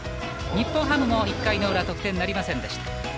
日本ハムも１回の裏得点なりませんでした。